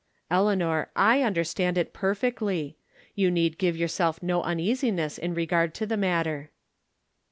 " Eleanor, I understand it, perfectly. You need give yourself no uneasiness in regard to the matter."